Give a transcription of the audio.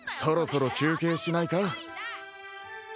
そろそろ休憩しないか。